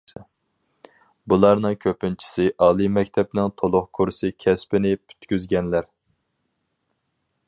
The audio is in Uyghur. بۇلارنىڭ كۆپىنچىسى ئالىي مەكتەپنىڭ تولۇق كۇرس كەسپىنى پۈتكۈزگەنلەر.